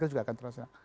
itu juga akan terasa